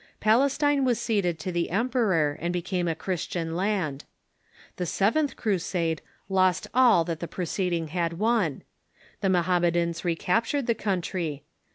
Palestine was ceded to the emperor and became a Christian land. The seventh Crusade lost all that the preceding had won. The Mohammedans recaptured the country.